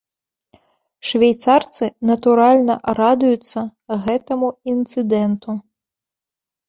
Швейцарцы, натуральна, радуюцца гэтаму інцыдэнту.